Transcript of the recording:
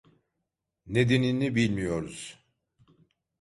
Nedenini bilmiyoruz.